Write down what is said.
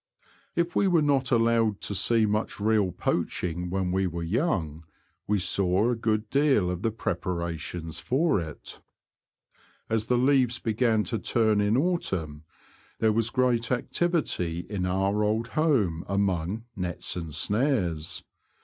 If we were not allowed to see much real poaching when we were young we saw a good deal of the pre parations for it. As the leaves began to turn in autumn there was great activ ity in our old home among nets and snares.